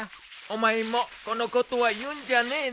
お前もこのことは言うんじゃねえぞ。